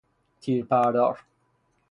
تیر پردار